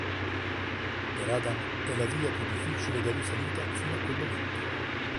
Per Adam è la via più difficile da lui salita fino a quel momento.